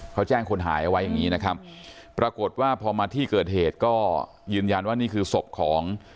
เขาแจ้งคนหายเอาไว้อย่างนี้นะครับปรากฏว่าพอมาที่เกิดเหตุก็ยืนยันว่านี่คือศพของ